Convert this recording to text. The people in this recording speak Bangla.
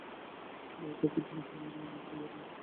ভাঁওতা দিয়ে তিন মাসের মাইনে আগাম নিয়ে সরেছে।